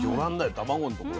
卵のところ。